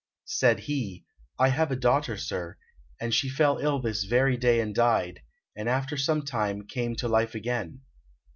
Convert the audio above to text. Said he, "I have a daughter, sir, and she fell ill this very day and died, and after some time came to life again.